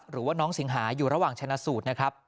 หรือว่าน้องสิงหาอยู่ระหว่างชนะสูตรนะครับ